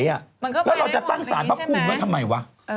แล้วเราจะตั้งสารพระภูมิไว้ทำไมวะ